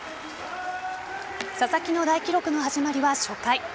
佐々木の大記録の始まりは初回。